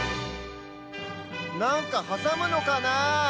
なんかはさむのかなあ？